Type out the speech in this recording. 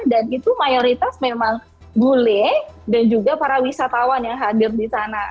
dan itu mayoritas memang bule dan juga para wisatawan yang hadir di sana